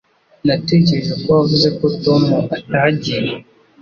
Natekereje ko wavuze ko Tom atagiye